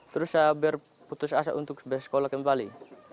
terus saya berputus asa untuk bersekolah kembali